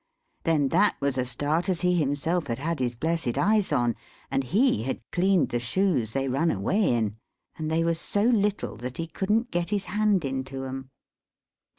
Then that was a start as he himself had had his blessed eyes on, and he had cleaned the shoes they run away in and they was so little that he couldn't get his hand into 'em.